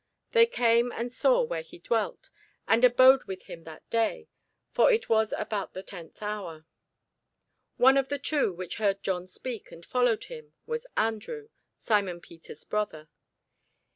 They came and saw where he dwelt, and abode with him that day: for it was about the tenth hour. One of the two which heard John speak, and followed him, was Andrew, Simon Peter's brother.